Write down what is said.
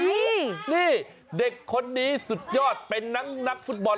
นี่เด็กคนนี้สุดยอดเป็นทั้งนักฟุตบอล